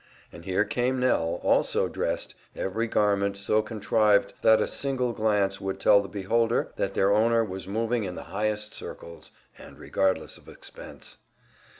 And here came Nell, also dressed, every garment so contrived that a single glance would tell the beholder that their owner was moving in the highest circles, and regardless of expense.